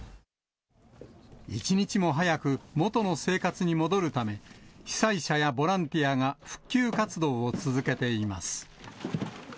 一日も早く元の生活に戻るため、被災者やボランティアが復旧活動を続けています。